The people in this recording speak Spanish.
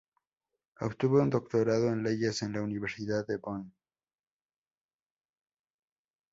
Obtuvo un Doctorado en Leyes en la Universidad de Bonn.